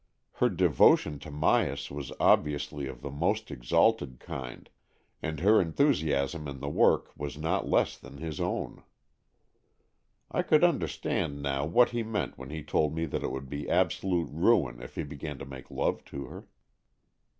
Her devotion to Myas was obviously of the most exalted kind, and her enthusiasm in the work was not less than his own. I could under stand now what he meant when he told me that it would be absolute ruin if he began to make love to her.